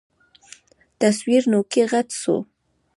تصوير نوکى غټ سو.